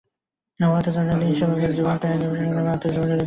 তিনি পার্বত্য চট্টগ্রামের দীন সেবকের জীবন কাহিনী শিরোনামে আত্মজীবনী লিখেছেন।